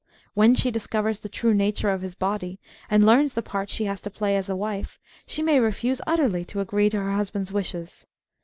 When she discovers the true nature of his body, and learns the part she has to play as a wife, she may refiase utterly to agree to her husband's wishes.